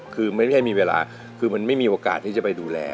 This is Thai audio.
คือไม่ได้มีเวลาคือมันไม่มีโอกาสที่จะไปดูแล